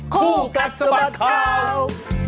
ครูกัลสมัติข่าว